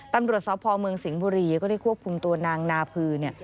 ตำรวจสพเมืองสิงห์บุรีก็ได้ควบคุมตัวนางนาพือ